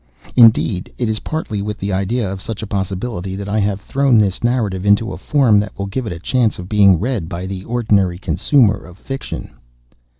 Indeed, it is partly with the idea of such a possibility that I have thrown this narrative into a form that will give it a chance of being read by the ordinary consumer of fiction.